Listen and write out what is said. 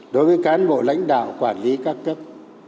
đối với cán bộ lãnh đạo quản lý các cấp